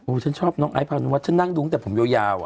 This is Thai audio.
อู๋ฉันชอบน้องไอภาณวัตรฉันนั่งดูตั้งแต่ผมยาว